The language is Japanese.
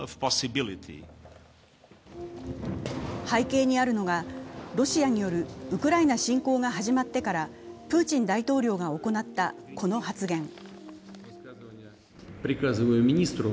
背景にあるのがロシアによるウクライナ侵攻が始まってからプーチン大統領が行ったこの発言。